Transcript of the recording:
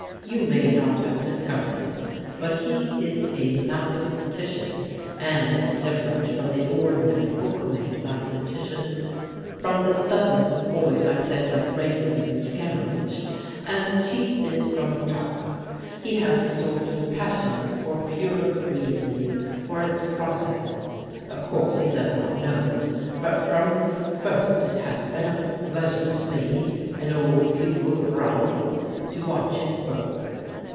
You may not have discovered it, but he is a mathematician; and as different from the ordinary book made mathematician from the dozens of boys I send up regularly to Cambridge as cheese is from chalk. He has a sort of passion for pure reasoning for its processes. Of course he does not know it; but from the first it has been a pleasure to me (an old pupil of Routh's) to watch his work.